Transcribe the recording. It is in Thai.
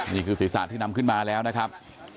นี่คือศีรษะที่นำขึ้นมาแล้วนะครับ